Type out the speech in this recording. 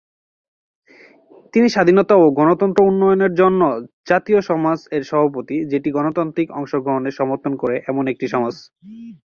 তিনি "স্বাধীনতা ও গণতন্ত্র উন্নয়নের জন্য জাতীয় সমাজ" এর সভাপতি, যেটি গণতান্ত্রিক অংশগ্রহণে সমর্থন করে এমন একটি সমাজ।